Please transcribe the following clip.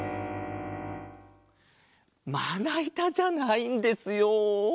まないたじゃないんですよ。